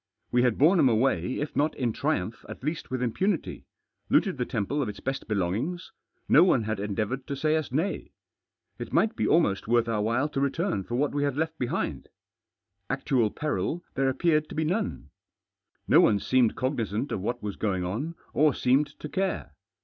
We had borne him away if not in triumph* at least With impunity ; looted the temple of its test belongings j no one had ertdeavouted to s&y Us hay. It might be almost worth our While to teftiiil for Whit Digitized by THE JOSS REVERTS. 259 we had left behind. Actual peril there appeared to be none. No one seemed cognisant of what was going on, or seemed to care.